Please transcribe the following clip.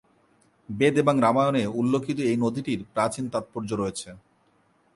বেদ এবং রামায়ণে উল্লিখিত এই নদীটির প্রাচীন তাৎপর্য রয়েছে।